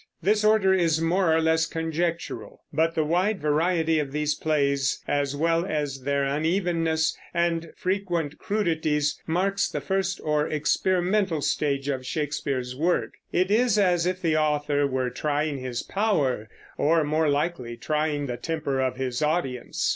This order is more or less conjectural; but the wide variety of these plays, as well as their unevenness and frequent crudities, marks the first or experimental stage of Shakespeare's work. It is as if the author were trying his power, or more likely trying the temper of his audience.